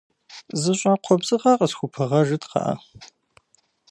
Зы щӏакхъуэ бзыгъэ къысхупыгъэжыт, кхъыӏэ.